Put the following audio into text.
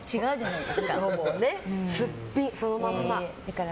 すっぴん、そのまんま。